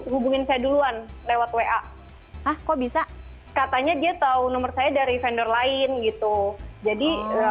hubungin saya duluan lewat wa ah kok bisa katanya dia tahu nomor saya dari vendor lain gitu jadi